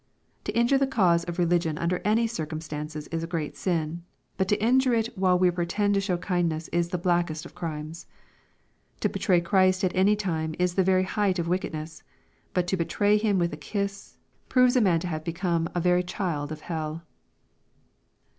To injure the cause of re ligion under any circumstances is a great sin, but to in jure it while we pretend to show kindness is the blackest of crimes. To betray Christ at any time is the very height of wickedness, but to betray Him with a kiss, proves a man to have become a very child of hell.